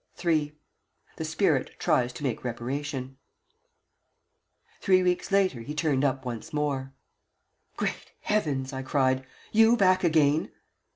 III THE SPIRIT TRIES TO MAKE REPARATION Three weeks later he turned up once more. "Great Heavens!" I cried; "you back again?"